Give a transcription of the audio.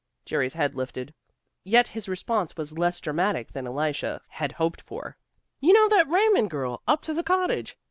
Jerry's head lifted, yet his response was less dramatic than Elisha had hoped for. "You know that Raymond girl, up to the Cottage.